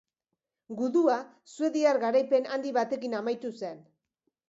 Gudua suediar garaipen handi batekin amaitu zen.